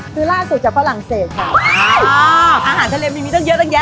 คือล่าสุดจากฝรั่งเศสค่ะอ่าอาหารทะเลมันมีตั้งเยอะตั้งแย